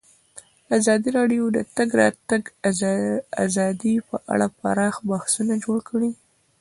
ازادي راډیو د د تګ راتګ ازادي په اړه پراخ بحثونه جوړ کړي.